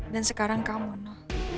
dan sekarang kamu nono